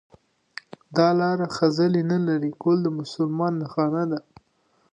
دا لار نه خځلي لري کول د مسلمان نښانه ده